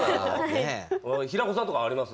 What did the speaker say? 平子さんとかあります？